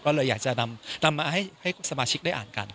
ก็เลยอยากจะนำมาให้สมาชิกได้อ่านกัน